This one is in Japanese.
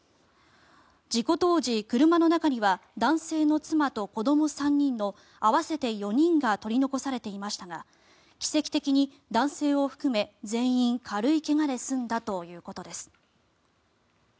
事故当時、車の中には男性の妻と子ども３人の合わせて４人が取り残されていましたが奇跡的に男性を含め全員軽い怪我で済んだということです。